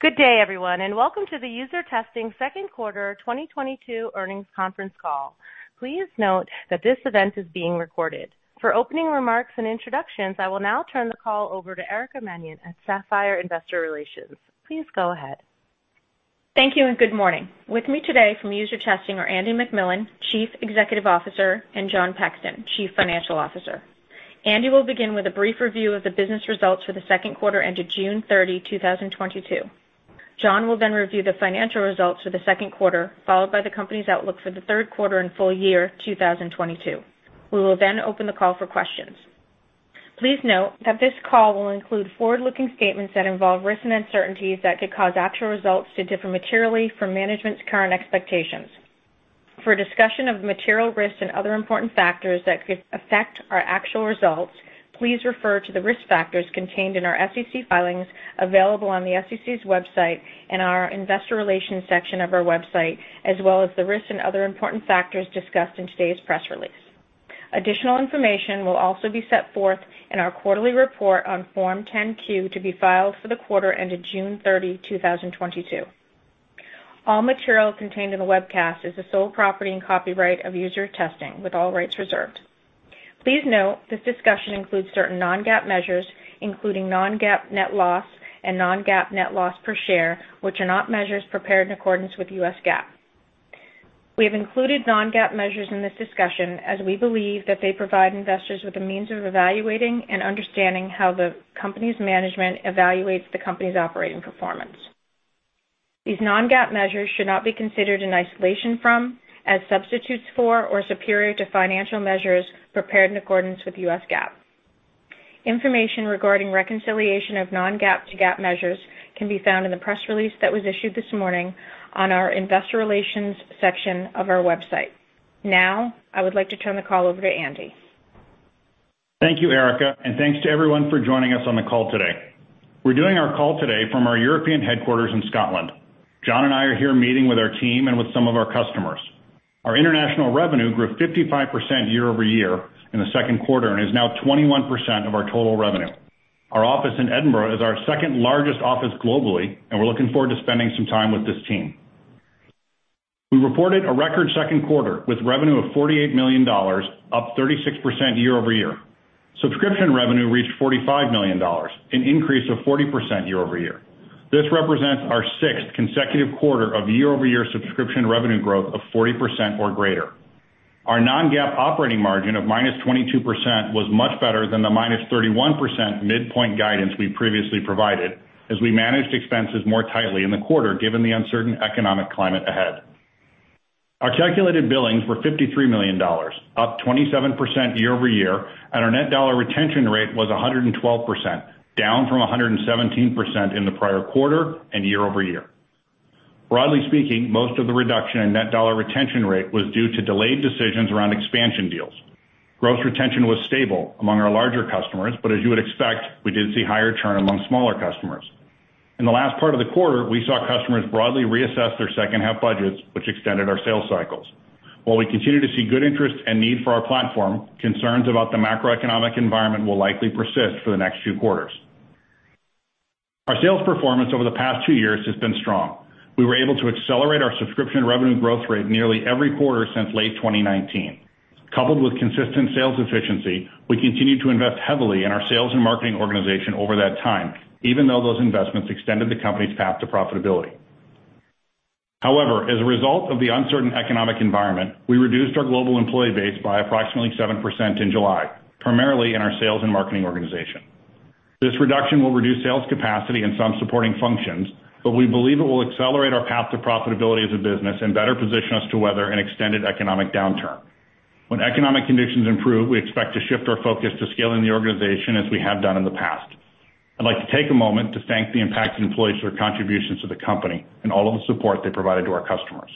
Good day, everyone, and welcome to the UserTesting Q2 2022 Earnings Conference Call. Please note that this event is being recorded. For opening remarks and introductions, I will now turn the call over to Erica Mannion at Sapphire Investor Relations. Please go ahead. Thank you and good morning. With me today from UserTesting are Andy MacMillan, Chief Executive Officer, and Jon Pexton, Chief Financial Officer. Andy will begin with a brief review of the business results for the Q2 ended June 30, 2022. Jon will then review the financial results for the Q2, followed by the company's outlook for the Q3 and full year 2022. We will then open the call for questions. Please note that this call will include forward-looking statements that involve risks and uncertainties that could cause actual results to differ materially from management's current expectations. For a discussion of material risks and other important factors that could affect our actual results, please refer to the risk factors contained in our SEC filings available on the SEC's website and our investor relations section of our website, as well as the risks and other important factors discussed in today's press release. Additional information will also be set forth in our quarterly report on Form 10-Q to be filed for the quarter ended June 30, 2022. All material contained in the webcast is the sole property and copyright of UserTesting with all rights reserved. Please note this discussion includes certain non-GAAP measures, including non-GAAP net loss and non-GAAP net loss per share, which are not measures prepared in accordance with U.S. GAAP. We have included non-GAAP measures in this discussion as we believe that they provide investors with a means of evaluating and understanding how the company's management evaluates the company's operating performance. These non-GAAP measures should not be considered in isolation from, as substitutes for, or superior to financial measures prepared in accordance with US GAAP. Information regarding reconciliation of non-GAAP to GAAP measures can be found in the press release that was issued this morning on our investor relations section of our website. Now, I would like to turn the call over to Andy. Thank you, Erica, and thanks to everyone for joining us on the call today. We're doing our call today from our European headquarters in Scotland. Jon and I are here meeting with our team and with some of our customers. Our international revenue grew 55% year-over-year in the Q2 and is now 21% of our total revenue. Our office in Edinburgh is our second-largest office globally, and we're looking forward to spending some time with this team. We reported a record Q2 with revenue of $48 million, up 36% year-over-year. Subscription revenue reached $45 million, an increase of 40% year-over-year. This represents our sixth consecutive quarter of year-over-year subscription revenue growth of 40% or greater. Our non-GAAP operating margin of -22% was much better than the -31% midpoint guidance we previously provided, as we managed expenses more tightly in the quarter, given the uncertain economic climate ahead. Our calculated billings were $53 million, up 27% year-over-year, and our net dollar retention rate was 112%, down from 117% in the prior quarter and year-over-year. Broadly speaking, most of the reduction in net dollar retention rate was due to delayed decisions around expansion deals. Gross retention was stable among our larger customers, but as you would expect, we did see higher churn among smaller customers. In the last part of the quarter, we saw customers broadly reassess their second-half budgets, which extended our sales cycles. While we continue to see good interest and need for our platform, concerns about the macroeconomic environment will likely persist for the next few quarters. Our sales performance over the past two years has been strong. We were able to accelerate our subscription revenue growth rate nearly every quarter since late 2019. Coupled with consistent sales efficiency, we continued to invest heavily in our sales and marketing organization over that time, even though those investments extended the company's path to profitability. However, as a result of the uncertain economic environment, we reduced our global employee base by approximately 7% in July, primarily in our sales and marketing organization. This reduction will reduce sales capacity in some supporting functions, but we believe it will accelerate our path to profitability as a business and better position us to weather an extended economic downturn. When economic conditions improve, we expect to shift our focus to scaling the organization as we have done in the past. I'd like to take a moment to thank the impacted employees for their contributions to the company and all of the support they provided to our customers.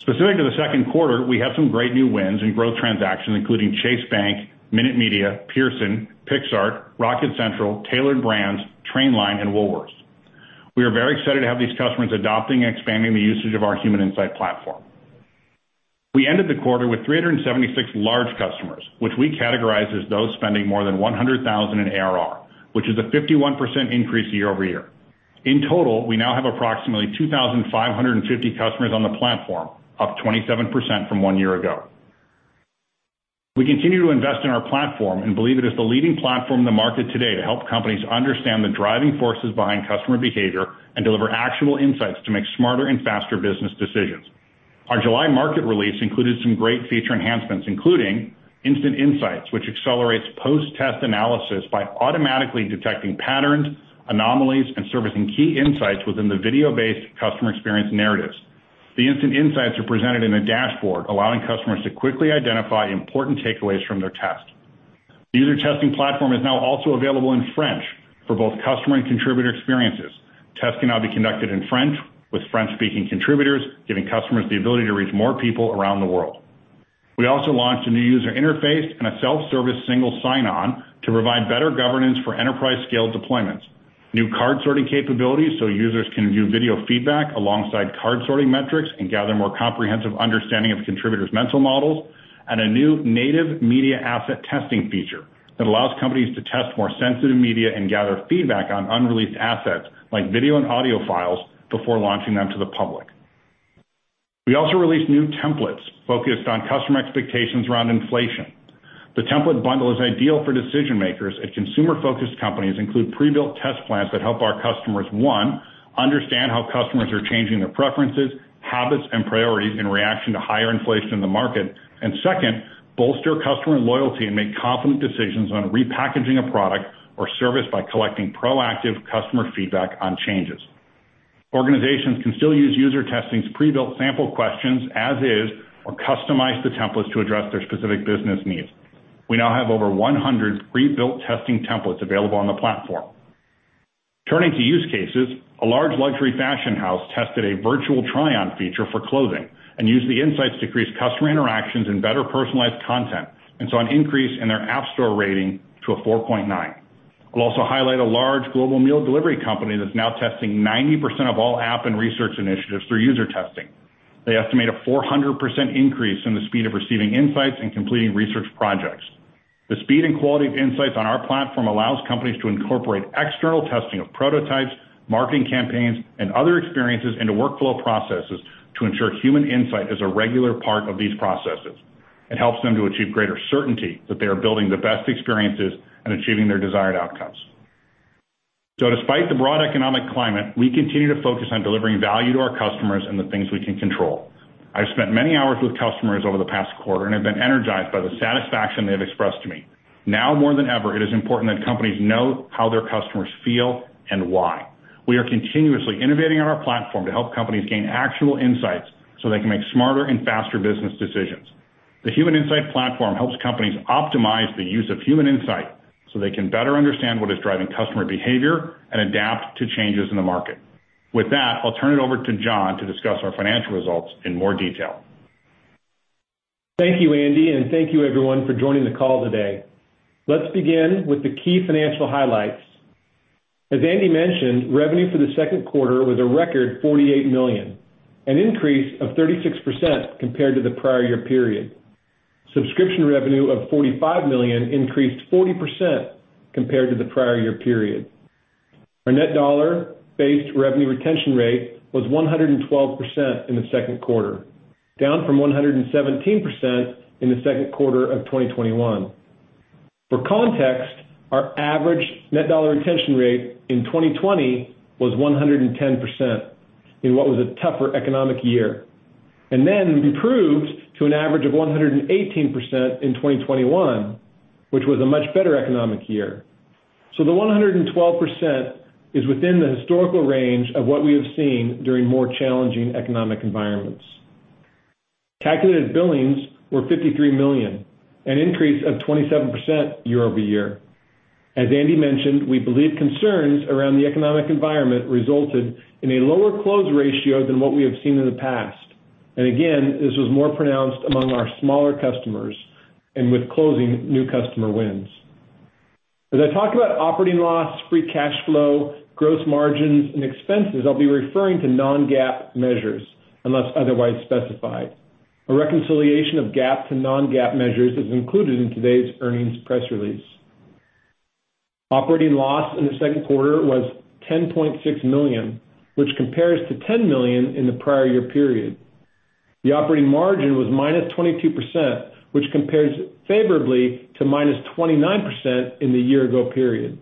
Specific to the Q2, we have some great new wins and growth transactions, including Chase Bank, Minute Media, Pearson, Pixar, Rocket Central, Tailored Brands, Trainline, and Woolworths. We are very excited to have these customers adopting and expanding the usage of our Human Insight Platform. We ended the quarter with 376 large customers, which we categorize as those spending more than $100,000 in ARR, which is a 51% increase year-over-year. In total, we now have approximately 2,550 customers on the platform, up 27% from one year ago. We continue to invest in our platform and believe it is the leading platform in the market today to help companies understand the driving forces behind customer behavior and deliver actionable insights to make smarter and faster business decisions. Our July market release included some great feature enhancements, including Instant Insight, which accelerates post-test analysis by automatically detecting patterns, anomalies, and surfacing key insights within the video-based customer experience narratives. The Instant Insight are presented in a dashboard, allowing customers to quickly identify important takeaways from their test. The UserTesting platform is now also available in French for both customer and contributor experiences. Tests can now be conducted in French with French-speaking contributors, giving customers the ability to reach more people around the world. We also launched a new user interface and a self-service single sign-on to provide better governance for enterprise-scale deployments, new card sorting capabilities so users can view video feedback alongside card sorting metrics and gather more comprehensive understanding of contributors' mental models. A new native media asset testing feature that allows companies to test more sensitive media and gather feedback on unreleased assets like video and audio files before launching them to the public. We also released new templates focused on customer expectations around inflation. The template bundle is ideal for decision-makers at consumer-focused companies including pre-built test plans that help our customers, one, understand how customers are changing their preferences, habits, and priorities in reaction to higher inflation in the market. Second, bolster customer loyalty and make confident decisions on repackaging a product or service by collecting proactive customer feedback on changes. Organizations can still use UserTesting's pre-built sample questions as is, or customize the templates to address their specific business needs. We now have over 100 pre-built testing templates available on the platform. Turning to use cases, a large luxury fashion house tested a virtual try-on feature for clothing and used the insights to increase customer interactions and better personalize content, and saw an increase in their app store rating to 4.9. I'll also highlight a large global meal delivery company that's now testing 90% of all app and research initiatives through UserTesting. They estimate a 400% increase in the speed of receiving insights and completing research projects. The speed and quality of insights on our platform allows companies to incorporate external testing of prototypes, marketing campaigns, and other experiences into workflow processes to ensure human insight is a regular part of these processes. It helps them to achieve greater certainty that they are building the best experiences and achieving their desired outcomes. Despite the broad economic climate, we continue to focus on delivering value to our customers and the things we can control. I've spent many hours with customers over the past quarter and have been energized by the satisfaction they have expressed to me. Now more than ever, it is important that companies know how their customers feel and why. We are continuously innovating on our platform to help companies gain actual insights so they can make smarter and faster business decisions. The Human Insight Platform helps companies optimize the use of human insight so they can better understand what is driving customer behavior and adapt to changes in the market. With that, I'll turn it over to Jon to discuss our financial results in more detail. Thank you, Andy, and thank you everyone for joining the call today. Let's begin with the key financial highlights. As Andy mentioned, revenue for the Q2 was a record $48 million, an increase of 36% compared to the prior year period. Subscription revenue of $45 million increased 40% compared to the prior year period. Our net dollar retention rate was 112% in the Q2, down from 117% in the Q2 of 2021. For context, our average net dollar retention rate in 2020 was 110% in what was a tougher economic year, and then improved to an average of 118% in 2021, which was a much better economic year. The 112% is within the historical range of what we have seen during more challenging economic environments. Calculated billings were $53 million, an increase of 27% year-over-year. As Andy mentioned, we believe concerns around the economic environment resulted in a lower close ratio than what we have seen in the past. Again, this was more pronounced among our smaller customers and with closing new customer wins. As I talk about operating loss, free cash flow, gross margins, and expenses, I'll be referring to non-GAAP measures unless otherwise specified. A reconciliation of GAAP to non-GAAP measures is included in today's earnings press release. Operating loss in the Q2 was $10.6 million, which compares to $10 million in the prior year period. The operating margin was -22%, which compares favorably to -29% in the year ago period.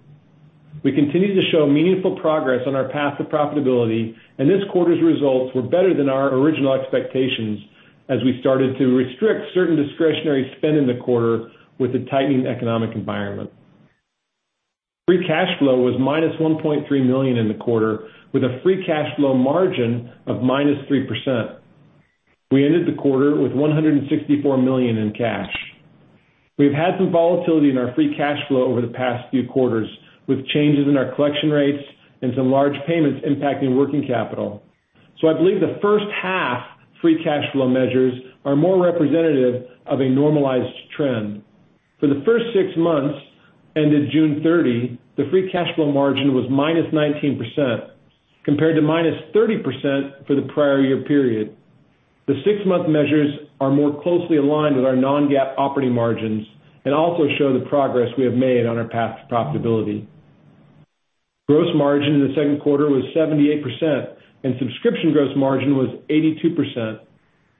We continue to show meaningful progress on our path to profitability, and this quarter's results were better than our original expectations as we started to restrict certain discretionary spend in the quarter with the tightening economic environment. Free cash flow was -$1.3 million in the quarter, with a free cash flow margin of -3%. We ended the quarter with $164 million in cash. We've had some volatility in our free cash flow over the past few quarters with changes in our collection rates and some large payments impacting working capital. I believe the first half free cash flow measures are more representative of a normalized trend. For the first six months ended June 30, the free cash flow margin was -19%, compared to -30% for the prior year period. The six-month measures are more closely aligned with our non-GAAP operating margins and also show the progress we have made on our path to profitability. Gross margin in the Q2 was 78%, and subscription gross margin was 82%,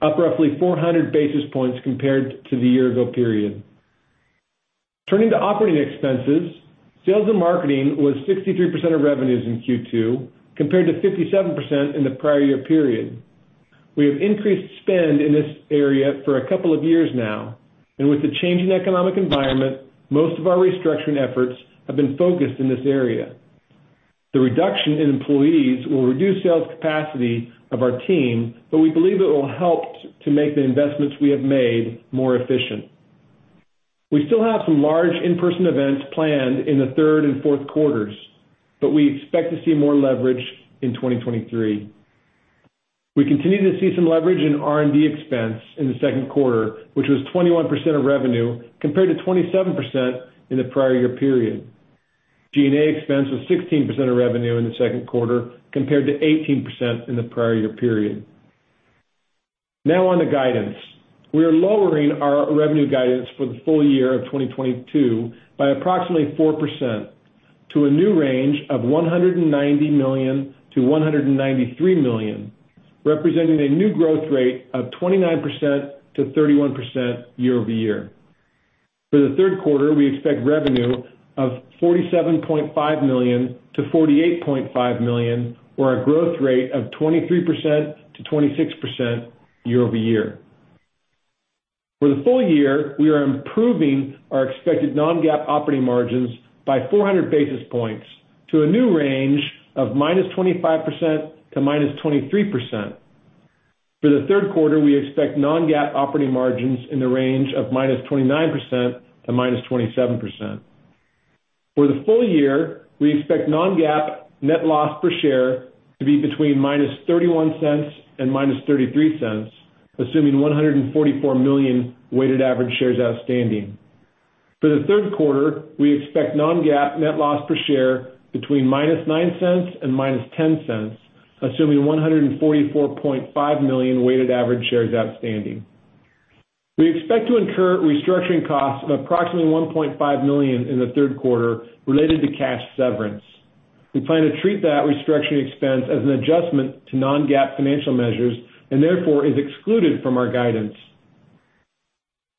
up roughly 400 basis points compared to the year ago period. Turning to operating expenses, sales and marketing was 63% of revenues in Q2, compared to 57% in the prior year period. We have increased spend in this area for a couple of years now, and with the changing economic environment, most of our restructuring efforts have been focused in this area. The reduction in employees will reduce sales capacity of our team, but we believe it will help to make the investments we have made more efficient. We still have some large in-person events planned in the third and Q4s, but we expect to see more leverage in 2023. We continue to see some leverage in R&D expense in the Q2, which was 21% of revenue, compared to 27% in the prior year period. G&A expense was 16% of revenue in the Q2 compared to 18% in the prior year period. Now on to guidance. We are lowering our revenue guidance for the full year of 2022 by approximately 4% to a new range of $190 million-$193 million, representing a new growth rate of 29%-31% year-over-year. For the Q3, we expect revenue of $47.5 million-$48.5 million or a growth rate of 23%-26% year-over-year. For the full year, we are improving our expected non-GAAP operating margins by 400 basis points to a new range of -25% to -23%. For the Q3, we expect non-GAAP operating margins in the range of -29% to -27%. For the full year, we expect non-GAAP net loss per share to be between -$0.31 and -$0.33, assuming 144 million weighted average shares outstanding. For the Q3, we expect non-GAAP net loss per share between -$0.09 and -$0.10, assuming 144.5 million weighted average shares outstanding. We expect to incur restructuring costs of approximately $1.5 million in the Q3 related to cash severance. We plan to treat that restructuring expense as an adjustment to non-GAAP financial measures and therefore is excluded from our guidance.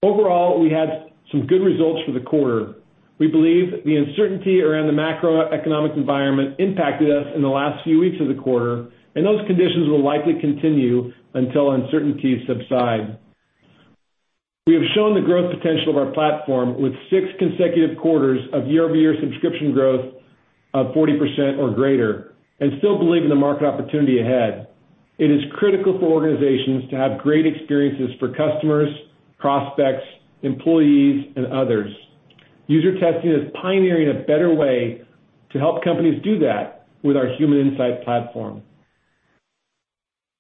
Overall, we had some good results for the quarter. We believe the uncertainty around the macroeconomic environment impacted us in the last few weeks of the quarter, and those conditions will likely continue until uncertainties subside. We have shown the growth potential of our platform with six consecutive quarters of year-over-year subscription growth of 40% or greater and still believe in the market opportunity ahead. It is critical for organizations to have great experiences for customers, prospects, employees, and others. UserTesting is pioneering a better way to help companies do that with our Human Insight Platform.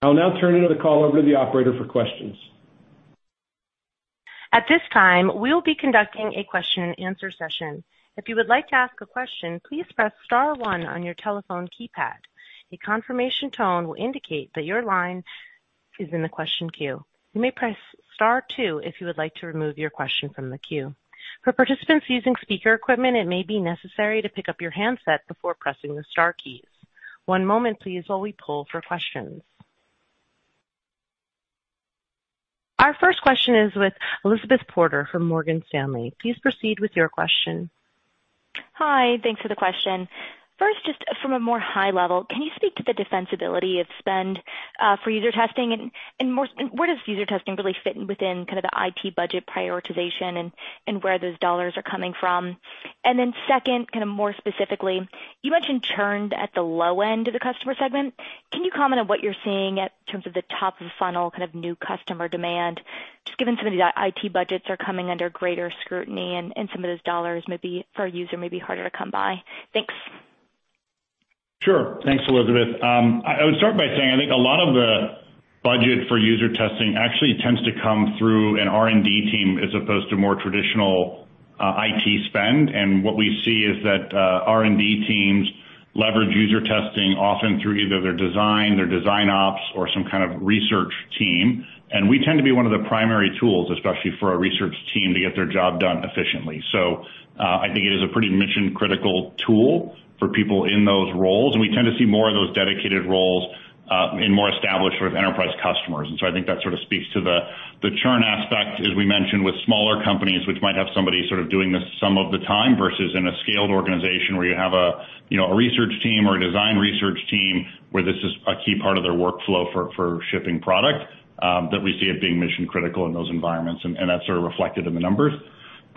I'll now turn the call over to the operator for questions. At this time, we will be conducting a question and answer session. If you would like to ask a question, please press star one on your telephone keypad. A confirmation tone will indicate that your line is in the question queue. You may press star two if you would like to remove your question from the queue. For participants using speaker equipment, it may be necessary to pick up your handset before pressing the star keys. One moment please while we poll for questions. Our first question is with Elizabeth Porter from Morgan Stanley. Please proceed with your question. Hi. Thanks for the question. First, just from a more high level, can you speak to the defensibility of spend for UserTesting and more, where does UserTesting really fit within kind of the IT budget prioritization and where those dollars are coming from? Second, kind of more specifically, you mentioned churn at the low end of the customer segment. Can you comment on what you're seeing in terms of the top of the funnel kind of new customer demand, just given some of the IT budgets are coming under greater scrutiny and some of those dollars maybe for a user may be harder to come by. Thanks. Sure. Thanks, Elizabeth. I would start by saying I think a lot of the budget for UserTesting actually tends to come through an R&D team as opposed to more traditional, IT spend. What we see is that, R&D teams leverage UserTesting often through either their design, their design ops, or some kind of research team. We tend to be one of the primary tools, especially for a research team, to get their job done efficiently. I think it is a pretty mission-critical tool for people in those roles, and we tend to see more of those dedicated roles, in more established enterprise customers. I think that sort of speaks to the churn aspect, as we mentioned, with smaller companies which might have somebody sort of doing this some of the time versus in a scaled organization where you have a you know a research team or a design research team where this is a key part of their workflow for shipping product, that we see it being mission critical in those environments, and that's sort of reflected in the numbers.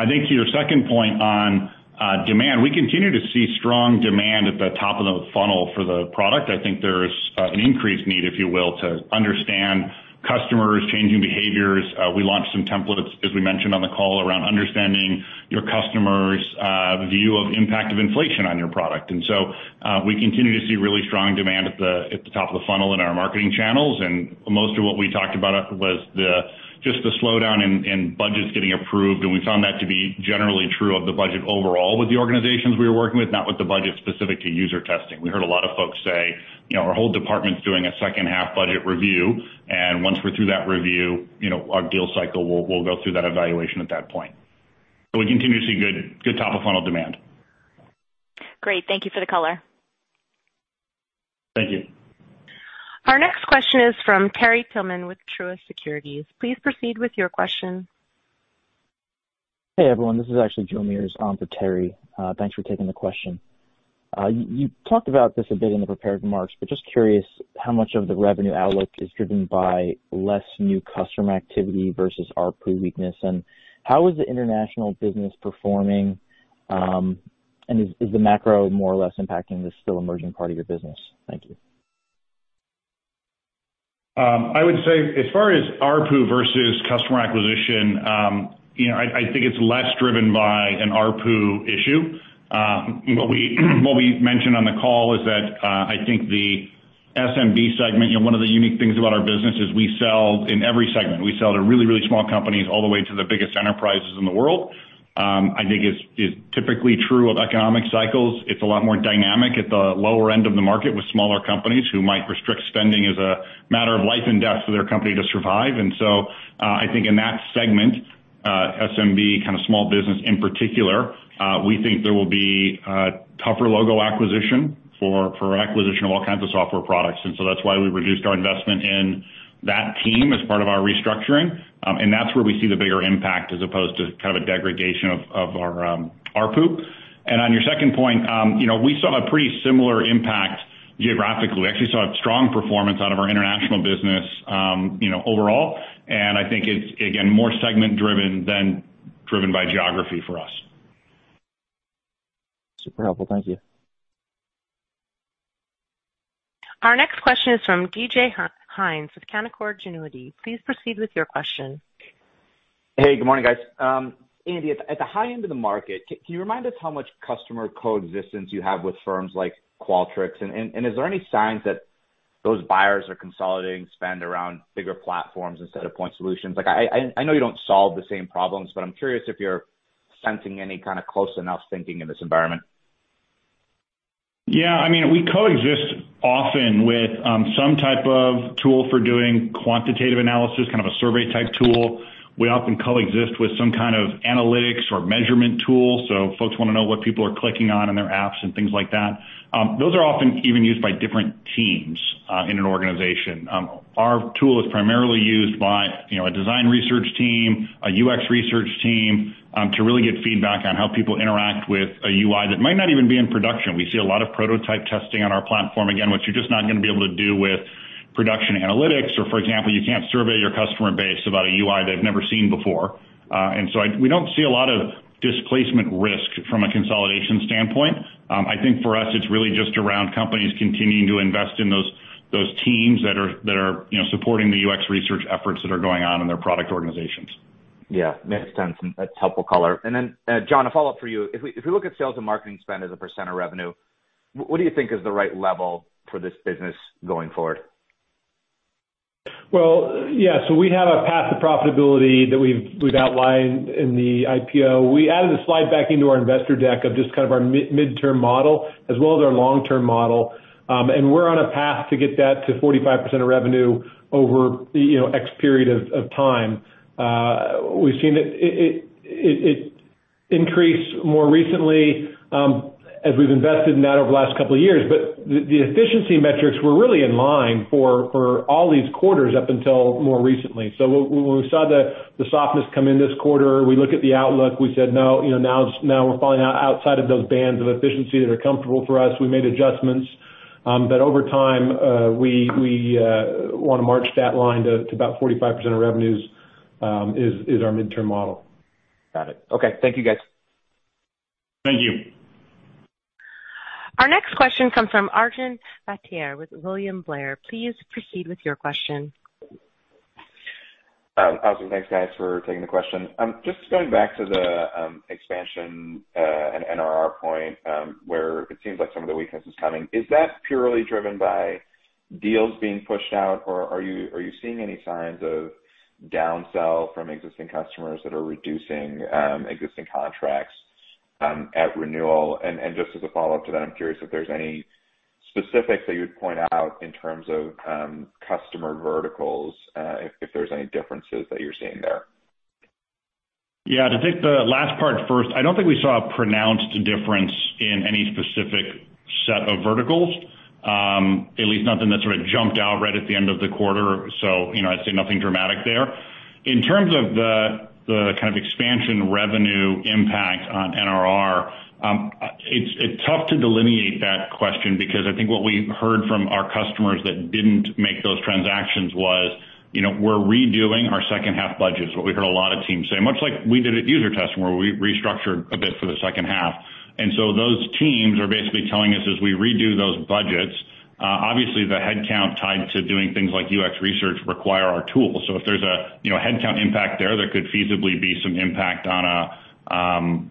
I think to your second point on demand, we continue to see strong demand at the top of the funnel for the product. I think there's an increased need, if you will, to understand customers changing behaviors. We launched some templates, as we mentioned on the call, around understanding your customers view of impact of inflation on your product. We continue to see really strong demand at the top of the funnel in our marketing channels. Most of what we talked about was just the slowdown in budgets getting approved. We found that to be generally true of the budget overall with the organizations we were working with, not with the budget specific to UserTesting. We heard a lot of folks say, "You know, our whole department is doing a second-half budget review, and once we're through that review, you know, our deal cycle will go through that evaluation at that point." We continue to see good top of funnel demand. Great. Thank you for the color. Thank you. Our next question is from Terry Tillman with Truist Securities. Please proceed with your question. Hey, everyone. This is actually Joe Meares on for Terry. Thanks for taking the question. You talked about this a bit in the prepared remarks, but just curious how much of the revenue outlook is driven by less new customer activity versus ARPU weakness, and how is the international business performing, and is the macro more or less impacting this still emerging part of your business? Thank you. I would say as far as ARPU versus customer acquisition, you know, I think it's less driven by an ARPU issue. What we mentioned on the call is that, I think the SMB segment, you know, one of the unique things about our business is we sell in every segment. We sell to really, really small companies all the way to the biggest enterprises in the world. I think it's typically true of economic cycles. It's a lot more dynamic at the lower end of the market with smaller companies who might restrict spending as a matter of life and death for their company to survive. I think in that segment, SMB kind of small business in particular, we think there will be a tougher logo acquisition for acquisition of all kinds of software products. That's why we reduced our investment in that team as part of our restructuring. That's where we see the bigger impact as opposed to kind of a degradation of our ARPU.On your second point, you know, we saw a pretty similar impact geographically. We actually saw a strong performance out of our international business, you know, overall. I think it's, again, more segment driven than driven by geography for us. Super helpful. Thank you. Our next question is from David Hynes with Canaccord Genuity. Please proceed with your question. Hey, good morning, guys. Andy, at the high end of the market, can you remind us how much customer coexistence you have with firms like Qualtrics? Is there any signs that those buyers are consolidating spend around bigger platforms instead of point solutions? Like, I know you don't solve the same problems, but I'm curious if you're sensing any kind of close enough thinking in this environment. Yeah. I mean, we coexist often with some type of tool for doing quantitative analysis, kind of a survey type tool. We often coexist with some kind of analytics or measurement tool, so folks wanna know what people are clicking on in their apps and things like that. Those are often even used by different teams in an organization. Our tool is primarily used by, you know, a design research team, a UX research team, to really get feedback on how people interact with a UI that might not even be in production. We see a lot of prototype testing on our platform, again, which you're just not gonna be able to do with production analytics. For example, you can't survey your customer base about a UI they've never seen before. We don't see a lot of displacement risk from a consolidation standpoint. I think for us, it's really just around companies continuing to invest in those teams that are, you know, supporting the UX research efforts that are going on in their product organizations. Yeah. Makes sense. That's helpful color. Then, Jon, a follow-up for you. If we look at sales and marketing spend as a % of revenue, what do you think is the right level for this business going forward? Well, yeah. We have a path to profitability that we've outlined in the IPO. We added a slide back into our investor deck of just kind of our midterm model as well as our long-term model. We're on a path to get that to 45% of revenue over, you know, X period of time. We've seen it increase more recently as we've invested in that over the last couple of years. The efficiency metrics were really in line for all these quarters up until more recently. When we saw the softness come in this quarter, we look at the outlook, we said, "No, you know, now it's now we're falling outside of those bands of efficiency that are comfortable for us." We made adjustments. Over time, we wanna march that line to about 45% of revenues, is our midterm model. Got it. Okay. Thank you, guys. Thank you. Our next question comes from Arjun Bhatia with William Blair. Please proceed with your question. Awesome. Thanks, guys for taking the question. Just going back to the expansion and NRR point, where it seems like some of the weakness is coming. Is that purely driven by deals being pushed out, or are you seeing any signs of down-sell from existing customers that are reducing existing contracts at renewal? Just as a follow-up to that, I'm curious if there's any specifics that you'd point out in terms of customer verticals, if there's any differences that you're seeing there. Yeah. To take the last part first, I don't think we saw a pronounced difference in any specific set of verticals. At least nothing that sort of jumped out right at the end of the quarter. You know, I'd say nothing dramatic there. In terms of the kind of expansion revenue impact on NRR, it's tough to delineate that question because I think what we heard from our customers that didn't make those transactions was, you know, we're redoing our second half budgets. What we heard a lot of teams say, much like we did at UserTesting, where we restructured a bit for the second half. Those teams are basically telling us as we redo those budgets, obviously the headcount tied to doing things like UX research require our tools. If there's a you know headcount impact there could feasibly be some impact on a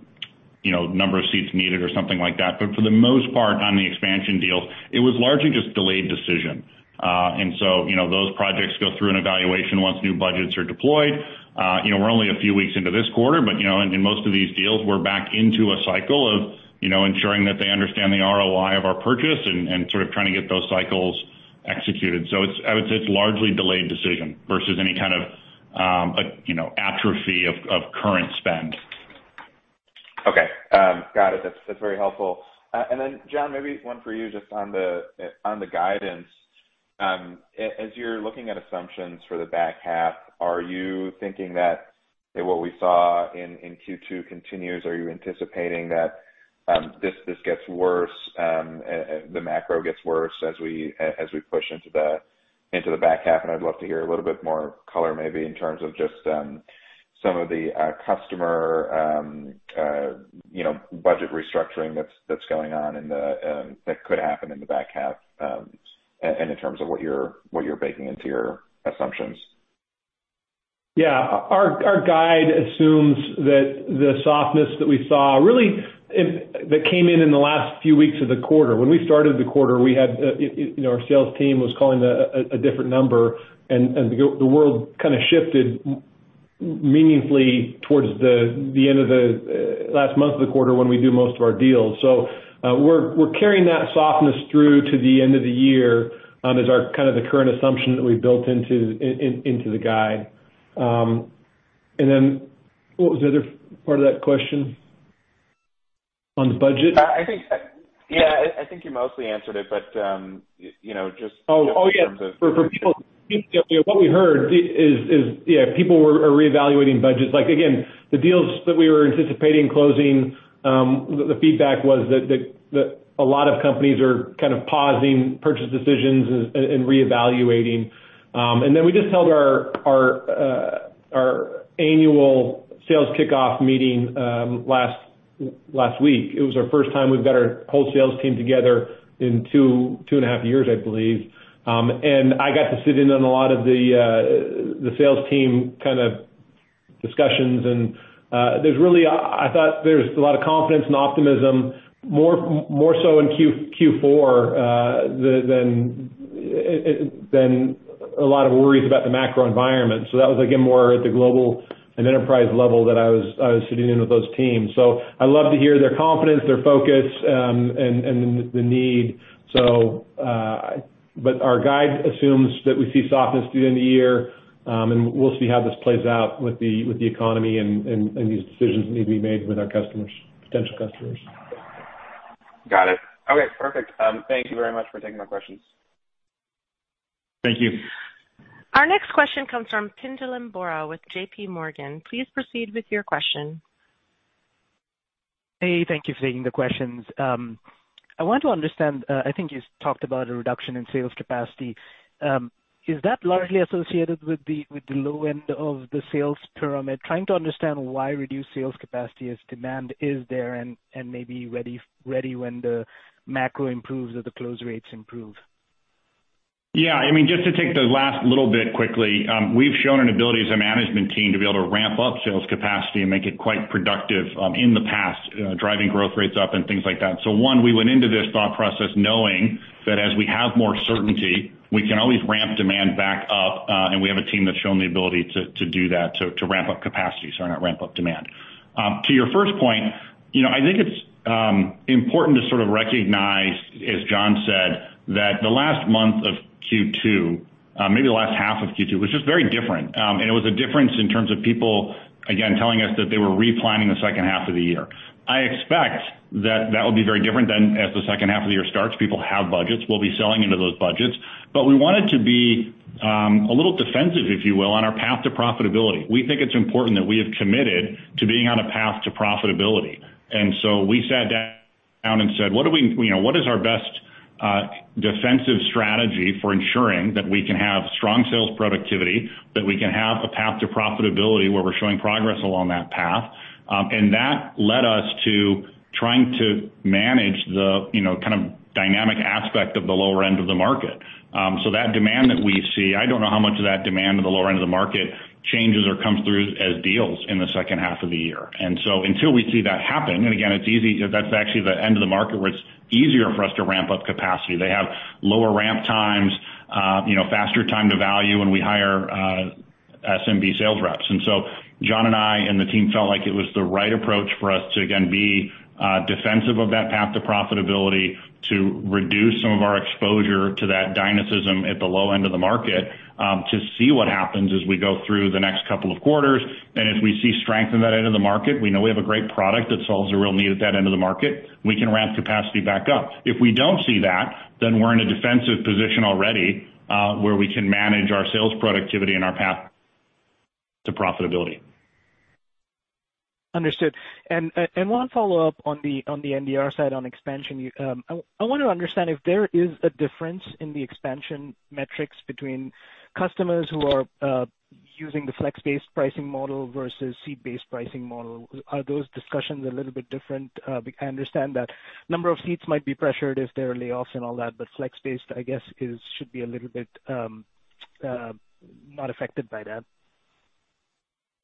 you know number of seats needed or something like that. For the most part, on the expansion deals, it was largely just delayed decision. You know, those projects go through an evaluation once new budgets are deployed. You know, we're only a few weeks into this quarter, but you know in most of these deals, we're back into a cycle of you know ensuring that they understand the ROI of our purchase and sort of trying to get those cycles executed. It's I would say it's largely delayed decision versus any kind of atrophy of current spend. Okay. Got it. That's very helpful. Jon, maybe one for you just on the guidance. As you're looking at assumptions for the back half, are you thinking that what we saw in Q2 continues? Are you anticipating that this gets worse, the macro gets worse as we push into the back half? I'd love to hear a little bit more color maybe in terms of just some of the customer, you know, budget restructuring that's going on, that could happen in the back half, and in terms of what you're baking into your assumptions. Yeah. Our guide assumes that the softness that we saw that came in in the last few weeks of the quarter. When we started the quarter, we had you know our sales team was calling a different number and the world kind of shifted meaningfully towards the end of the last month of the quarter when we do most of our deals. We're carrying that softness through to the end of the year as our kind of the current assumption that we built into the guide. What was the other part of that question? On the budget? Yeah, I think you mostly answered it, but you know, just- Yeah. In terms of- For people, what we heard is, yeah, people are reevaluating budgets. Like, again, the deals that we were anticipating closing, the feedback was that a lot of companies are kind of pausing purchase decisions and reevaluating. Then we just held our annual sales kickoff meeting last week. It was our first time we've got our whole sales team together in 2.5 years, I believe. I got to sit in on a lot of the sales team kind of discussions. I thought there's a lot of confidence and optimism, more so in Q4 than a lot of worries about the macro environment. That was, again, more at the global and enterprise level that I was sitting in with those teams. I love to hear their confidence, their focus, and the need. But our guide assumes that we see softness through the end of the year, and we'll see how this plays out with the economy and these decisions that need to be made with our customers, potential customers. Got it. Okay, perfect. Thank you very much for taking my questions. Thank you. Our next question comes from Chetan Khulbe with JPMorgan. Please proceed with your question. Hey, thank you for taking the questions. I want to understand, I think you talked about a reduction in sales capacity. Is that largely associated with the low end of the sales pyramid? Trying to understand why reduced sales capacity as demand is there and maybe ready when the macro improves or the close rates improve. Yeah. I mean, just to take the last little bit quickly, we've shown an ability as a management team to be able to ramp up sales capacity and make it quite productive, in the past, driving growth rates up and things like that. One, we went into this thought process knowing that as we have more certainty, we can always ramp demand back up, and we have a team that's shown the ability to do that, to ramp up capacity, sorry, not ramp up demand. To your first point, you know, I think it's important to sort of recognize, as Jon said, that the last month of Q2, maybe the last half of Q2, was just very different. It was a difference in terms of people, again, telling us that they were replanning the second half of the year. I expect that that will be very different than as the second half of the year starts. People have budgets. We'll be selling into those budgets. We wanted to be a little defensive, if you will, on our path to profitability. We think it's important that we have committed to being on a path to profitability. We sat down and said, "What do we, you know, what is our best defensive strategy for ensuring that we can have strong sales productivity, that we can have a path to profitability where we're showing progress along that path?" That led us to trying to manage the, you know, kind of dynamic aspect of the lower end of the market. That demand that we see, I don't know how much of that demand at the lower end of the market changes or comes through as deals in the second half of the year. Until we see that happen, and again, it's easy. That's actually the end of the market where it's easier for us to ramp up capacity. They have lower ramp times, you know, faster time to value when we hire SMB sales reps. John and I and the team felt like it was the right approach for us to again be defensive of that path to profitability, to reduce some of our exposure to that dynamism at the low end of the market, to see what happens as we go through the next couple of quarters. If we see strength in that end of the market, we know we have a great product that solves a real need at that end of the market, we can ramp capacity back up. If we don't see that, then we're in a defensive position already, where we can manage our sales productivity and our path to profitability. Understood. One follow-up on the NDR side on expansion. I wanna understand if there is a difference in the expansion metrics between customers who are using the Flex-based pricing model versus seat-based pricing model. Are those discussions a little bit different? I understand that number of seats might be pressured if there are layoffs and all that, but Flex-based, I guess, should be a little bit not affected by that.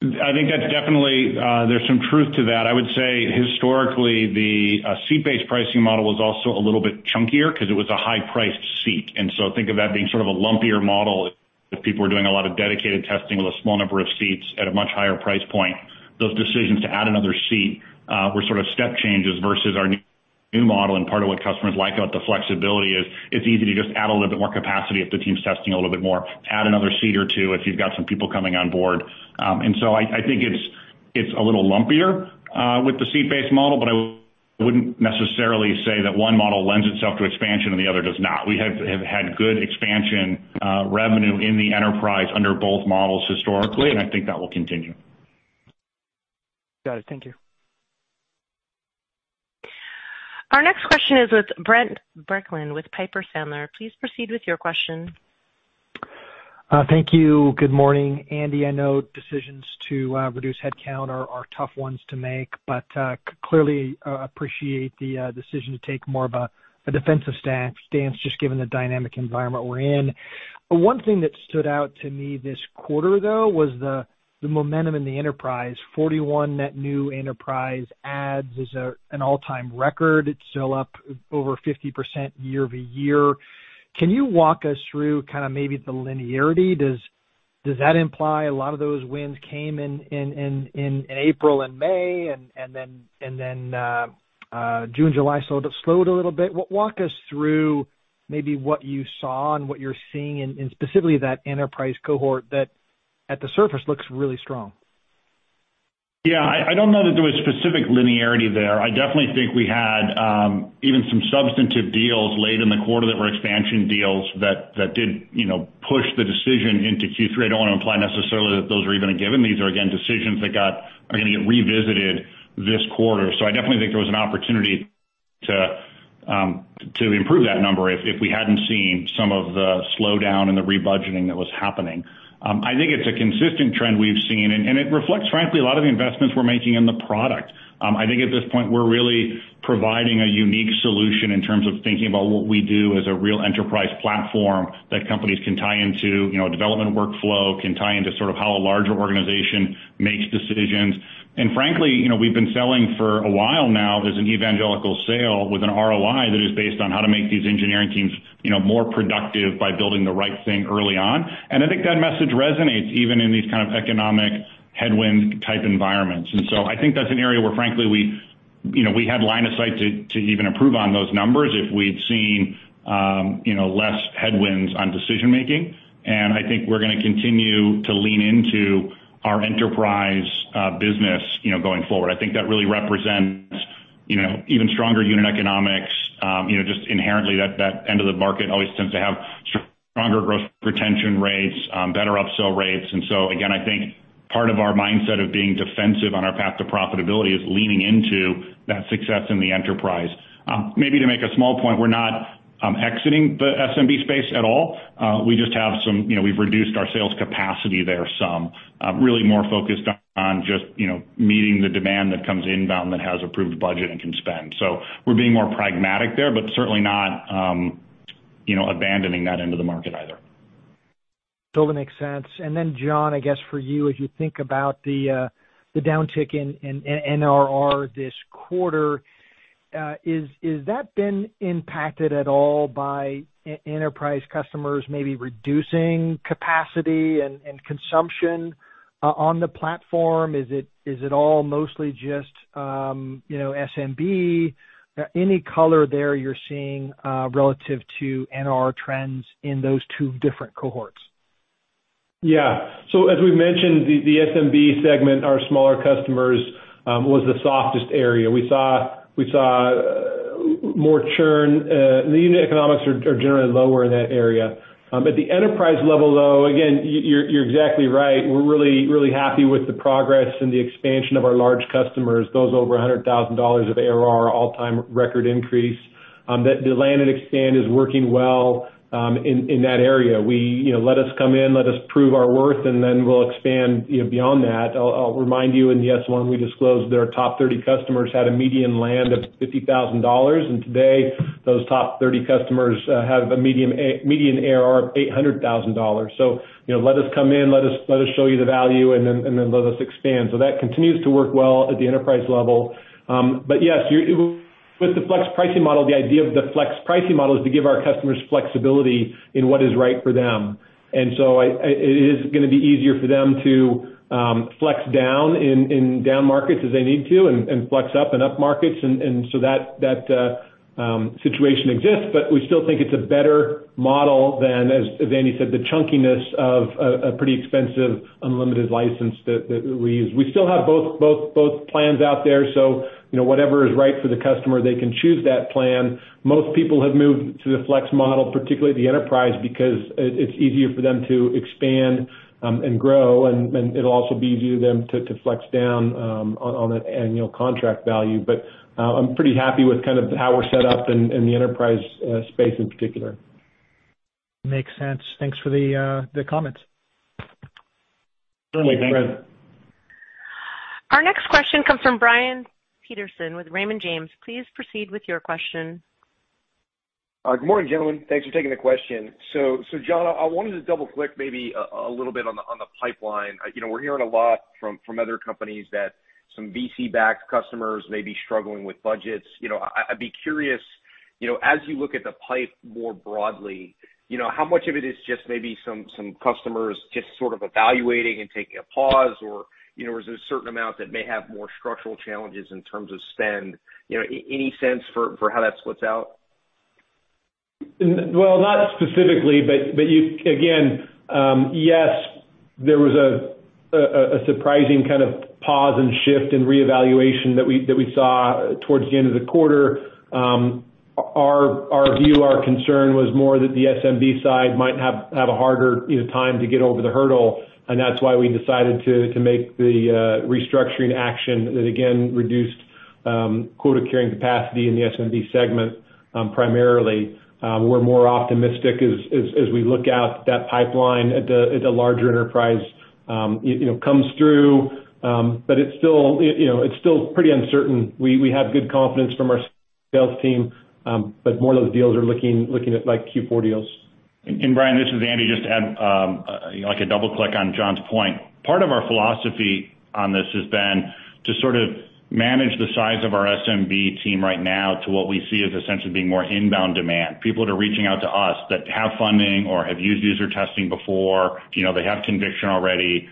I think that's definitely, there's some truth to that. I would say historically, the, seat-based pricing model was also a little bit chunkier 'cause it was a high-priced seat. Think of that being sort of a lumpier model if people are doing a lot of dedicated testing with a small number of seats at a much higher price point. Those decisions to add another seat, were sort of step changes versus our new model. Part of what customers like about the flexibility is it's easy to just add a little bit more capacity if the team's testing a little bit more, add another seat or two if you've got some people coming on board. I think it's a little lumpier with the seat-based model, but I wouldn't necessarily say that one model lends itself to expansion and the other does not. We have had good expansion revenue in the enterprise under both models historically, and I think that will continue. Got it. Thank you. Our next question is with Brent Bracelin with Piper Sandler. Please proceed with your question. Thank you. Good morning. Andy, I know decisions to reduce headcount are tough ones to make, but clearly appreciate the decision to take more of a defensive stance just given the dynamic environment we're in. One thing that stood out to me this quarter though was the momentum in the enterprise. 41 net new enterprise adds is an all-time record. It's still up over 50% year-over-year. Can you walk us through kinda maybe the linearity? Does that imply a lot of those wins came in April and May, and then June, July sort of slowed a little bit. Walk us through maybe what you saw and what you're seeing in specifically that enterprise cohort that at the surface looks really strong. Yeah. I don't know that there was specific linearity there. I definitely think we had even some substantive deals late in the quarter that were expansion deals that did, you know, push the decision into Q3. I don't wanna imply necessarily that those are even a given. These are, again, decisions that are gonna get revisited this quarter. I definitely think there was an opportunity to improve that number if we hadn't seen some of the slowdown and the rebudgeting that was happening. I think it's a consistent trend we've seen, and it reflects, frankly, a lot of the investments we're making in the product. I think at this point we're really providing a unique solution in terms of thinking about what we do as a real enterprise platform that companies can tie into, you know, development workflow, can tie into sort of how a larger organization makes decisions. Frankly, you know, we've been selling for a while now as an evangelical sale with an ROI that is based on how to make these engineering teams, you know, more productive by building the right thing early on. I think that message resonates even in these kind of economic headwind type environments. I think that's an area where frankly we, you know, we had line of sight to even improve on those numbers if we'd seen, you know, less headwinds on decision-making. I think we're gonna continue to lean into our enterprise business, you know, going forward. I think that really represents, you know, even stronger unit economics. You know, just inherently that end of the market always tends to have stronger growth retention rates, better upsell rates. Again, I think part of our mindset of being defensive on our path to profitability is leaning into that success in the enterprise. Maybe to make a small point, we're not exiting the SMB space at all. We just have some, you know, we've reduced our sales capacity there some, really more focused on just, you know, meeting the demand that comes inbound that has approved budget and can spend. We're being more pragmatic there, but certainly not, you know, abandoning that end of the market either. Totally makes sense. Then, Jon, I guess for you, as you think about the downtick in NRR this quarter, is that been impacted at all by enterprise customers maybe reducing capacity and consumption on the platform? Is it all mostly just, you know, SMB? Any color there you're seeing relative to NRR trends in those two different cohorts? Yeah. As we've mentioned, the SMB segment, our smaller customers, was the softest area. We saw more churn. The unit economics are generally lower in that area. At the enterprise level, though, again, you're exactly right. We're really happy with the progress and the expansion of our large customers, those over $100,000 of ARR all-time record increase. That the land and expand is working well, in that area. You know, let us come in, let us prove our worth, and then we'll expand, you know, beyond that. I'll remind you in the S-1 we disclosed that our top 30 customers had a median land of $50,000. Today, those top 30 customers have a median ARR of $800,000. You know, let us come in, let us show you the value, and then let us expand. That continues to work well at the enterprise level. Yes, with the flex pricing model, the idea of the flex pricing model is to give our customers flexibility in what is right for them. It is gonna be easier for them to flex down in down markets as they need to and flex up in up markets. That situation exists, but we still think it's a better model than, as Andy said, the chunkiness of a pretty expensive unlimited license that we use. We still have both plans out there, so you know, whatever is right for the customer, they can choose that plan. Most people have moved to the flex model, particularly the enterprise, because it's easier for them to expand and grow, and it'll also be easier for them to flex down on that annual contract value. I'm pretty happy with kind of how we're set up in the enterprise space in particular. Makes sense. Thanks for the comments. Certainly. Thank you. Our next question comes from Brian Peterson with Raymond James. Please proceed with your question. Good morning, gentlemen. Thanks for taking the question. Jon, I wanted to double-click maybe a little bit on the pipeline. You know, we're hearing a lot from other companies that some VC-backed customers may be struggling with budgets. You know, I'd be curious, you know, as you look at the pipe more broadly, you know, how much of it is just maybe some customers just sort of evaluating and taking a pause or, you know, is there a certain amount that may have more structural challenges in terms of spend? You know, any sense for how that splits out? Well, not specifically, but again, yes, there was a surprising kind of pause and shift and reevaluation that we saw towards the end of the quarter. Our view, our concern was more that the SMB side might have a harder, you know, time to get over the hurdle, and that's why we decided to make the restructuring action that again reduced quota carrying capacity in the SMB segment, primarily. We're more optimistic as we look out that pipeline at the larger enterprise, you know, comes through. It's still, you know, it's still pretty uncertain. We have good confidence from our sales team, but more of those deals are looking at like Q4 deals. Brian, this is Andy. Just to add, like a double click on Jon's point. Part of our philosophy on this has been to sort of manage the size of our SMB team right now to what we see as essentially being more inbound demand. People that are reaching out to us that have funding or have used UserTesting before, you know, they have conviction already,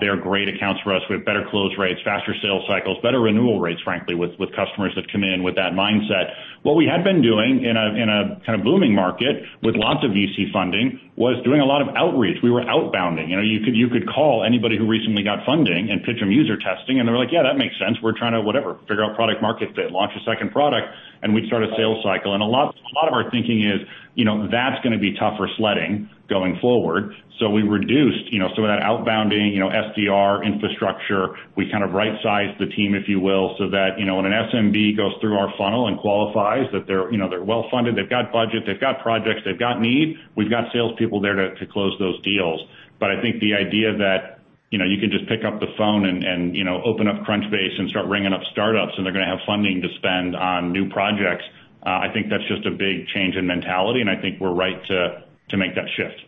they're great accounts for us. We have better close rates, faster sales cycles, better renewal rates, frankly, with customers that come in with that mindset. What we had been doing in a kind of booming market with lots of VC funding was doing a lot of outreach. We were outbounding. You know, you could call anybody who recently got funding and pitch them UserTesting, and they're like, "Yeah, that makes sense. We're trying to, whatever, figure out product market fit, launch a second product, and we'd start a sales cycle. A lot of our thinking is, you know, that's gonna be tougher sledding going forward. We reduced, you know, some of that outbounding, you know, SDR infrastructure. We kind of right-sized the team, if you will, so that, you know, when an SMB goes through our funnel and qualifies that they're, you know, they're well-funded, they've got budget, they've got projects, they've got need, we've got salespeople there to close those deals. I think the idea that, you know, you can just pick up the phone and, you know, open up Crunchbase and start ringing up startups, and they're gonna have funding to spend on new projects. I think that's just a big change in mentality, and I think we're right to make that shift.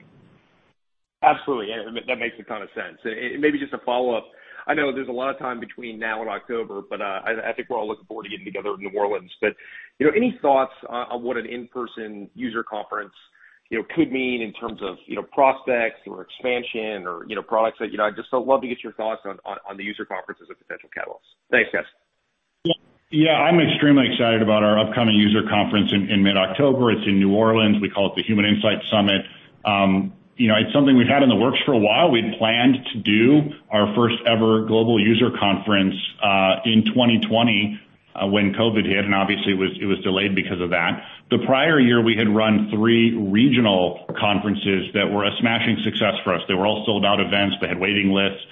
Absolutely. That makes a ton of sense. Maybe just a follow-up. I know there's a lot of time between now and October, but I think we're all looking forward to getting together in New Orleans. You know, any thoughts on what an in-person user conference, you know, could mean in terms of, you know, prospects or expansion or, you know, products. You know, I'd just love to get your thoughts on the user conferences as potential catalysts. Thanks, guys. Yeah. I'm extremely excited about our upcoming user conference in mid-October. It's in New Orleans. We call it the Human Insight Summit. You know, it's something we've had in the works for a while. We'd planned to do our first ever global user conference in 2020, when COVID hit, and obviously it was delayed because of that. The prior year, we had run three regional conferences that were a smashing success for us. They were all sold-out events. They had waiting lists.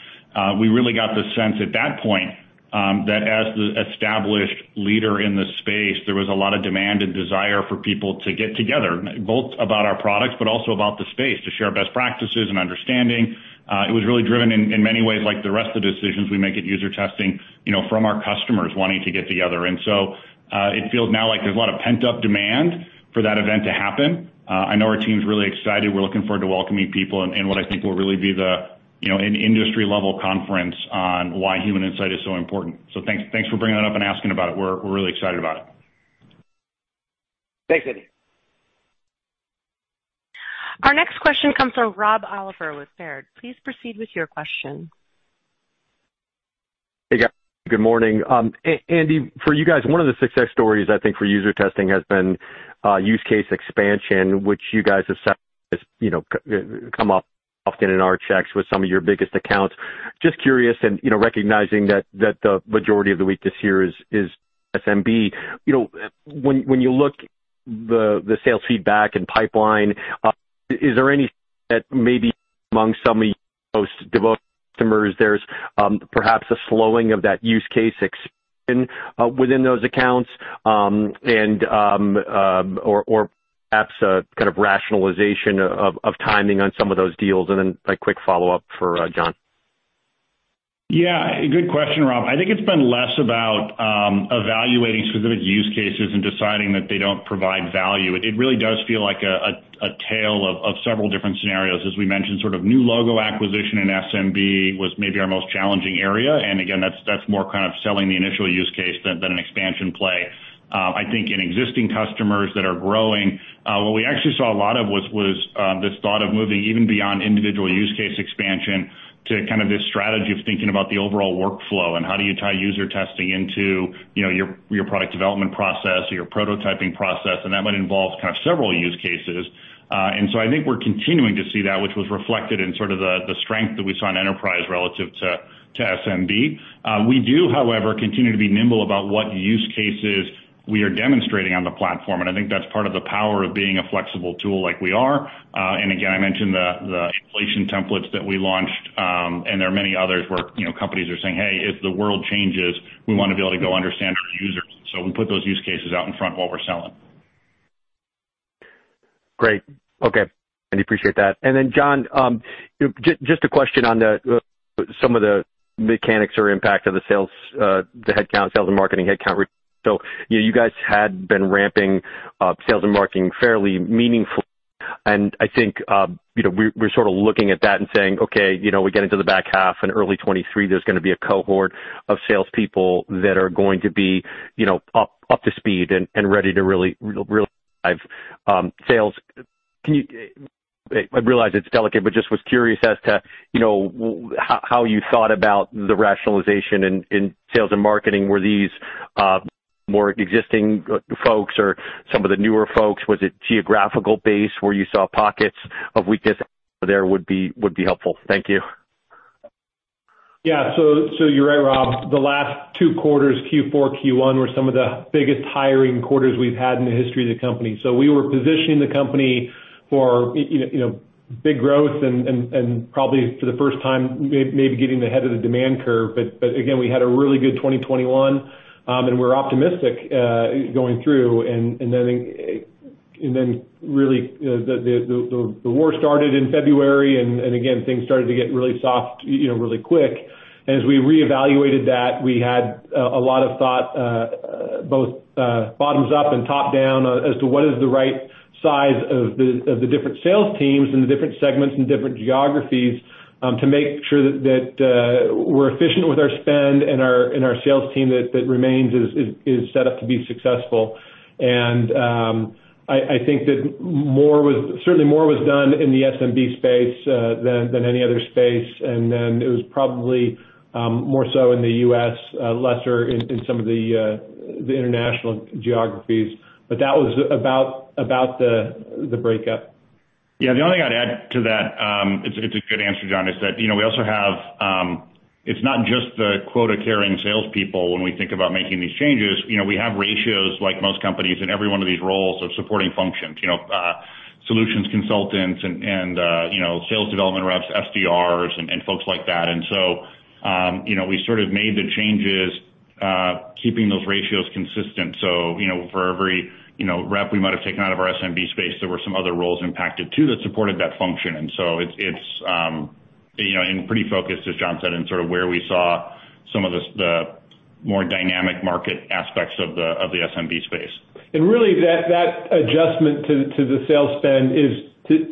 We really got the sense at that point that as the established leader in this space, there was a lot of demand and desire for people to get together, both about our products, but also about the space, to share best practices and understanding. It was really driven in many ways, like the rest of the decisions we make at UserTesting, you know, from our customers wanting to get together. It feels now like there's a lot of pent-up demand for that event to happen. I know our team's really excited. We're looking forward to welcoming people and what I think will really be the, you know, an industry-level conference on why human insight is so important. Thanks for bringing that up and asking about it. We're really excited about it. Thanks, Andy. Our next question comes from Rob Oliver with Baird. Please proceed with your question. Hey, guys. Good morning. Andy, for you guys, one of the success stories I think for UserTesting has been use case expansion, which you guys have said has, you know, come up often in our checks with some of your biggest accounts. Just curious and, you know, recognizing that the majority of the weakness here is SMB. You know, when you look the sales feedback and pipeline, is there any that maybe among some of your most devoted customers, there's perhaps a slowing of that use case expansion within those accounts, and or perhaps a kind of rationalization of timing on some of those deals? Then a quick follow-up for Jon. Yeah, good question, Rob. I think it's been less about evaluating specific use cases and deciding that they don't provide value. It really does feel like a tale of several different scenarios. As we mentioned, sort of new logo acquisition in SMB was maybe our most challenging area. Again, that's more kind of selling the initial use case than an expansion play. I think in existing customers that are growing, what we actually saw a lot of was this thought of moving even beyond individual use case expansion to kind of this strategy of thinking about the overall workflow and how do you tie user testing into, you know, your product development process or your prototyping process, and that might involve kind of several use cases. I think we're continuing to see that which was reflected in sort of the strength that we saw in enterprise relative to SMB. We do, however, continue to be nimble about what use cases we are demonstrating on the platform, and I think that's part of the power of being a flexible tool like we are. I mentioned the inflation templates that we launched, and there are many others where, you know, companies are saying, "Hey, if the world changes, we wanna be able to go understand our users." We put those use cases out in front while we're selling. Great. Okay. Andy, appreciate that. John, just a question on some of the mechanics or impact of the sales, the headcount, sales and marketing headcount. You know, you guys had been ramping sales and marketing fairly meaningfully, and I think, you know, we're sort of looking at that and saying, "Okay, you know, we get into the back half in early 2023, there's gonna be a cohort of salespeople that are going to be, you know, up to speed and ready to really drive sales." Can you. I realize it's delicate, but just was curious as to, you know, how you thought about the rationalization in sales and marketing. Were these more existing folks or some of the newer folks? Was it geographical base where you saw pockets of weakness there would be helpful. Thank you. Yeah. You're right, Rob. The last two quarters, Q4, Q1, were some of the biggest hiring quarters we've had in the history of the company. We were positioning the company for, you know, big growth and probably for the first time, maybe getting ahead of the demand curve. Again, we had a really good 2021, and we're optimistic going through and then really the war started in February and again, things started to get really soft, you know, really quick. As we reevaluated that, we had a lot of thought both bottoms up and top down as to what is the right size of the different sales teams and the different segments and different geographies to make sure that we're efficient with our spend and our sales team that remains is set up to be successful. I think that certainly more was done in the SMB space than any other space. It was probably more so in the US, lesser in some of the international geographies. That was about the breakup. Yeah. The only thing I'd add to that, it's a good answer, Jon, is that, you know, we also have. It's not just the quota-carrying salespeople when we think about making these changes. You know, we have ratios like most companies in every one of these roles of supporting functions. You know, solutions consultants and sales development reps, SDRs and folks like that. You know, we sort of made the changes, keeping those ratios consistent. You know, for every rep we might have taken out of our SMB space, there were some other roles impacted too that supported that function. It's pretty focused, as Jon said, in sort of where we saw some of the more dynamic market aspects of the SMB space. Really that adjustment to the sales spend is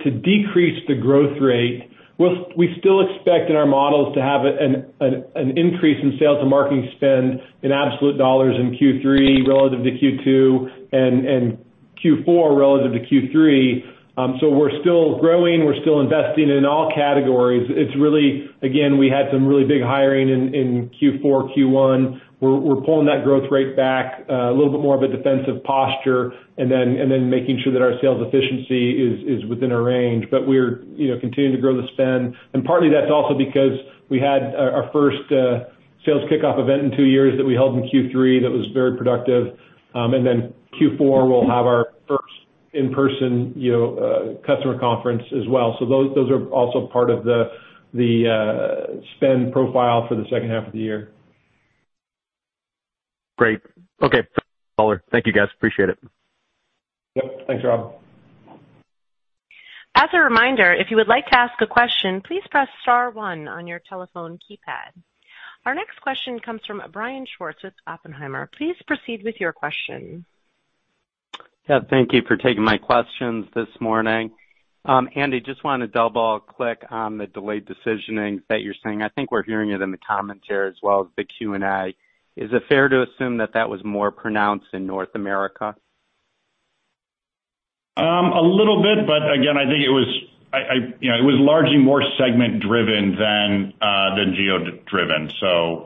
to decrease the growth rate. We still expect in our models to have an increase in sales and marketing spend in absolute dollars in Q3 relative to Q2 and Q4 relative to Q3. We're still growing, we're still investing in all categories. It's really again we had some really big hiring in Q4, Q1. We're pulling that growth rate back a little bit more of a defensive posture and then making sure that our sales efficiency is within our range. We're, you know, continuing to grow the spend. Partly that's also because we had our first sales kickoff event in two years that we held in Q3. That was very productive. Q4, we'll have our first in-person, you know, customer conference as well. Those are also part of the spend profile for the second half of the year. Great. Okay. Thank you, guys. Appreciate it. Yep. Thanks, Rob. As a reminder, if you would like to ask a question, please press star one on your telephone keypad. Our next question comes from Brian Schwartz with Oppenheimer. Please proceed with your question. Yeah, thank you for taking my questions this morning. Andy, just wanna double-click on the delayed decisioning that you're seeing. I think we're hearing it in the commentary as well as the Q&A. Is it fair to assume that that was more pronounced in North America? A little bit, but again, I think it was largely more segment driven than geo driven, so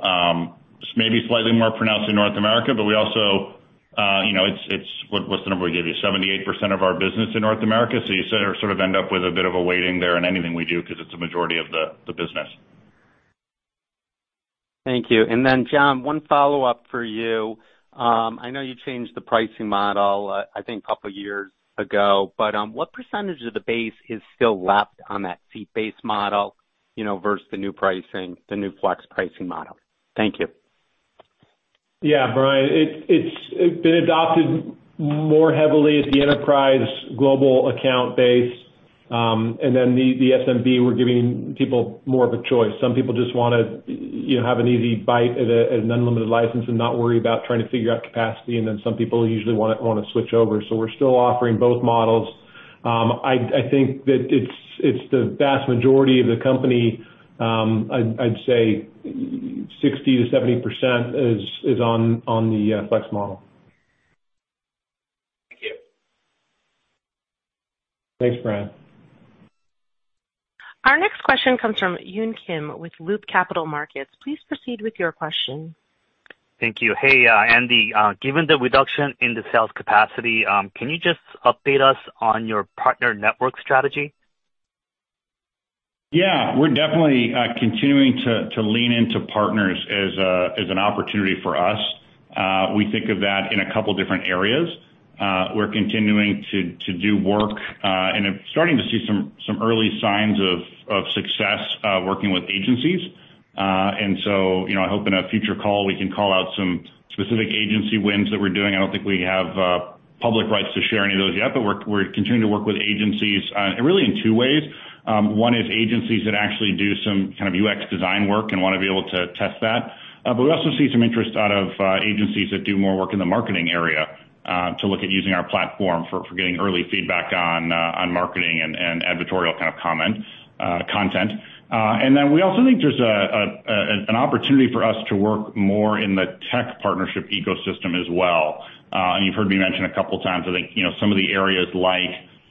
maybe slightly more pronounced in North America. We also, you know, it's. What's the number we gave you? 78% of our business in North America. So you sort of end up with a bit of a weighting there in anything we do 'cause it's a majority of the business. Thank you. Jon, one follow-up for you. I know you changed the pricing model, I think a couple of years ago, but what percentage of the base is still left on that seat-based model, you know, versus the new pricing, the new Flex pricing model? Thank you. Yeah, Brian, it's been adopted more heavily at the enterprise global account base. The SMB, we're giving people more of a choice. Some people just wanna, you know, have an easy bite at an unlimited license and not worry about trying to figure out capacity, and then some people usually wanna switch over. We're still offering both models. I think that it's the vast majority of the company. I'd say 60%-70% is on the Flex model. Thank you. Thanks, Brian. Our next question comes from Yun Kim with Loop Capital Markets. Please proceed with your question. Thank you. Hey, Andy, given the reduction in the sales capacity, can you just update us on your partner network strategy? Yeah. We're definitely continuing to lean into partners as an opportunity for us. We think of that in a couple different areas. We're continuing to do work and are starting to see some early signs of success working with agencies. You know, I hope in a future call we can call out some specific agency wins that we're doing. I don't think we have public rights to share any of those yet, but we're continuing to work with agencies really in two ways. One is agencies that actually do some kind of UX design work and wanna be able to test that. We also see some interest out of agencies that do more work in the marketing area to look at using our platform for getting early feedback on marketing and advertorial kind of content. We also think there's an opportunity for us to work more in the tech partnership ecosystem as well. You've heard me mention a couple of times, I think, you know, some of the areas like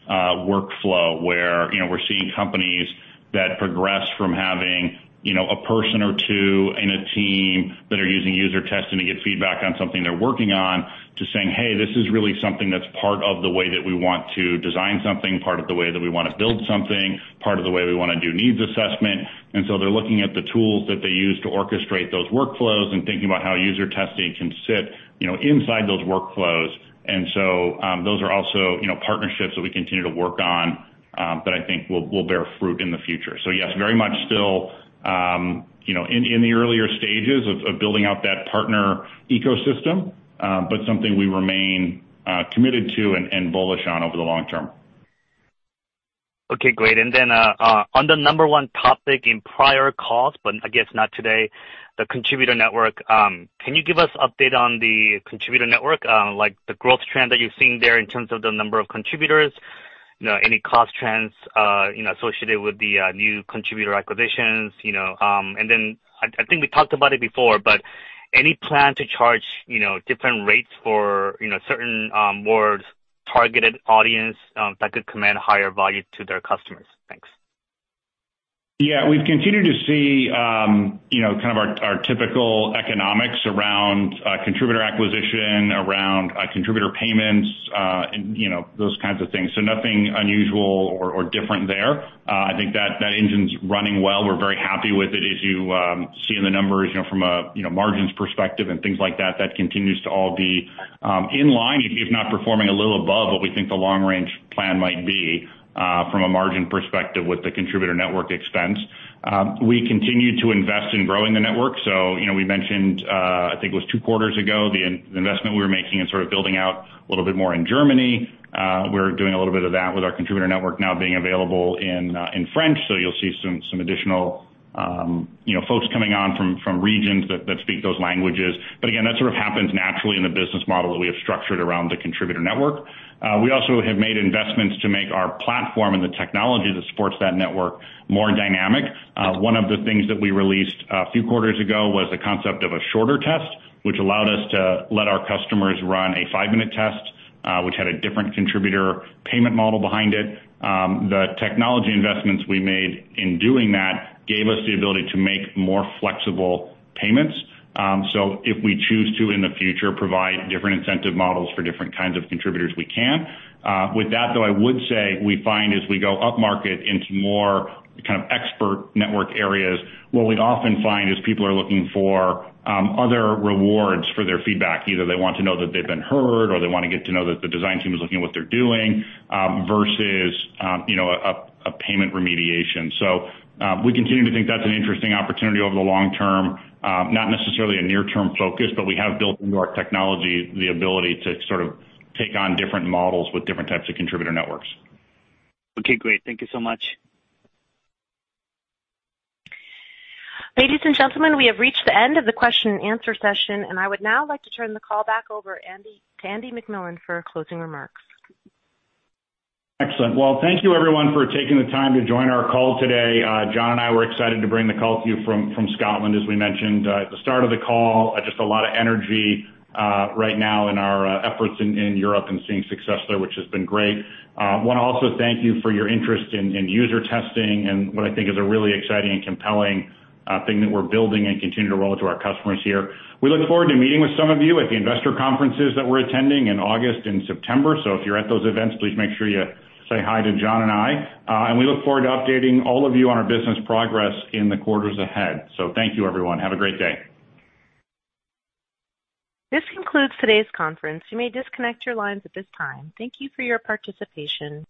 workflow, where, you know, we're seeing companies that progress from having, you know, a person or two in a team that are using UserTesting to get feedback on something they're working on, to saying, "Hey, this is really something that's part of the way that we want to design something, part of the way that we wanna build something, part of the way we wanna do needs assessment." They're looking at the tools that they use to orchestrate those workflows and thinking about how UserTesting can sit, you know, inside those workflows. Those are also, you know, partnerships that we continue to work on that I think will bear fruit in the future. Yes, very much still, you know, in the earlier stages of building out that partner ecosystem, but something we remain committed to and bullish on over the long term. Okay, great. Then, on the number one topic in prior calls, but I guess not today, the contributor network. Can you give us update on the contributor network? Like the growth trend that you're seeing there in terms of the number of contributors? You know, any cost trends, you know, associated with the, new contributor acquisitions, you know? Then I think we talked about it before, but any plan to charge, you know, different rates for, you know, certain, more targeted audience, that could command higher value to their customers? Thanks. Yeah, we've continued to see, you know, kind of our typical economics around contributor acquisition, around contributor payments, and, you know, those kinds of things. Nothing unusual or different there. I think that engine's running well. We're very happy with it. As you see in the numbers, you know, from a margins perspective and things like that continues to all be in line, if not performing a little above what we think the long range plan might be, from a margin perspective with the contributor network expense. We continue to invest in growing the network. You know, we mentioned, I think it was two quarters ago, the investment we were making in sort of building out a little bit more in Germany. We're doing a little bit of that with our contributor network now being available in French, so you'll see some additional, you know, folks coming on from regions that speak those languages. Again, that sort of happens naturally in the business model that we have structured around the contributor network. We also have made investments to make our platform and the technology that supports that network more dynamic. One of the things that we released a few quarters ago was the concept of a shorter test, which allowed us to let our customers run a five-minute test, which had a different contributor payment model behind it. The technology investments we made in doing that gave us the ability to make more flexible payments. If we choose to, in the future, provide different incentive models for different kinds of contributors, we can. With that though, I would say we find as we go upmarket into more kind of expert network areas, what we'd often find is people are looking for, other rewards for their feedback. Either they want to know that they've been heard or they wanna get to know that the design team is looking at what they're doing, versus, you know, a payment remediation. We continue to think that's an interesting opportunity over the long term. Not necessarily a near-term focus, but we have built into our technology the ability to sort of take on different models with different types of contributor networks. Okay, great. Thank you so much. Ladies and gentlemen, we have reached the end of the question and answer session, and I would now like to turn the call back over to Andy MacMillan for closing remarks. Excellent. Well, thank you everyone for taking the time to join our call today. John and I were excited to bring the call to you from Scotland, as we mentioned at the start of the call. Just a lot of energy right now in our efforts in Europe and seeing success there, which has been great. Wanna also thank you for your interest in UserTesting and what I think is a really exciting and compelling thing that we're building and continue to roll to our customers here. We look forward to meeting with some of you at the investor conferences that we're attending in August and September. If you're at those events, please make sure you say hi to John and I. We look forward to updating all of you on our business progress in the quarters ahead. Thank you, everyone. Have a great day. This concludes today's conference. You may disconnect your lines at this time. Thank you for your participation.